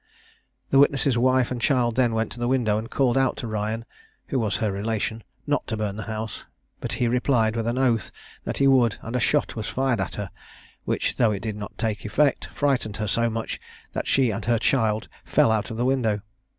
The witness's wife and child then went to the window, and called out to Ryan (who was her relation) not to burn the house; but he replied, with an oath, that he would; and a shot was fired at her, which though it did not take effect, frightened her so much, that she and her child fell out of the window.